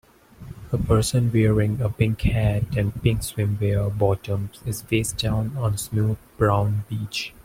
A person wearing a pink hat and pink swimwear bottoms is facedown on a smooth brown beach.